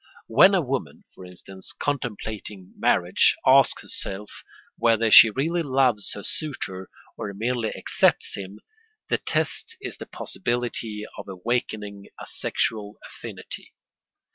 When a woman, for instance, contemplating marriage, asks herself whether she really loves her suitor or merely accepts him, the test is the possibility of awakening a sexual affinity.